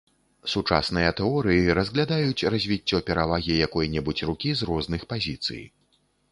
Сучасныя тэорыі разглядаюць развіццё перавагі якой-небудзь рукі з розных пазіцый.